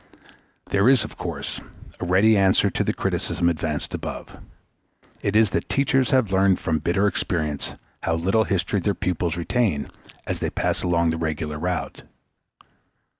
There is, of course, a ready answer to the criticism advanced above. It is that teachers have learned from bitter experience how little history their pupils retain as they pass along the regular route.